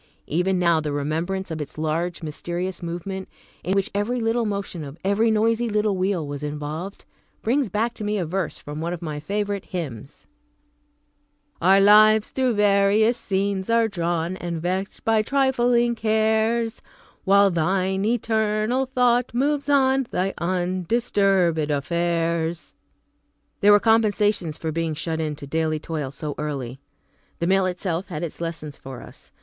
Even now, the remembrance of its large, mysterious movement, in which every little motion of every noisy little wheel was involved, brings back to me a verse from one of my favorite hymns: "Our lives through various scenes are drawn, And vexed by trifling cares, While Thine eternal thought moves on Thy undisturbed affairs." There were compensations for being shut in to daily toil so early. The mill itself had its lessons for us.